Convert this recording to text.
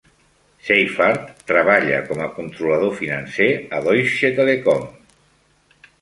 Seyfarth treballa com a controlador financer a Deutsche Telekom.